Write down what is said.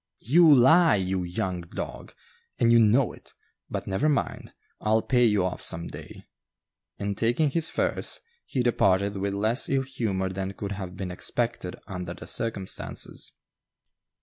"You lie, you young dog, and you know it; but never mind, I'll pay you off some day"; and taking his furs, he departed with less ill humor than could have been expected under the circumstances.